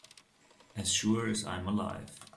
As sure as I am alive